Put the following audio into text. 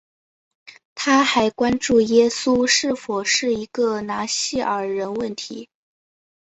它还关注耶稣是否是一个拿细耳人问题。